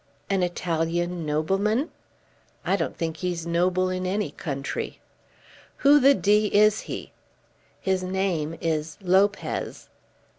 "An Italian nobleman?" "I don't think he's noble in any country." "Who the d is he?" "His name is Lopez."